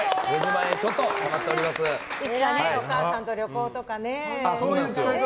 いつかお母さんと旅行とかね。